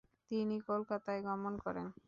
তিনি কলকাতায় গমন করেন।